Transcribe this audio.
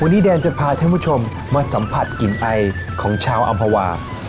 วันนี้แดนจะพาท่านผู้ชมมาสัมผัสกลิ่นไอของชาวอำภาวา